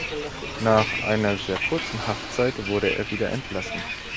Nach einer sehr kurzen Haftzeit wurde er wieder entlassen.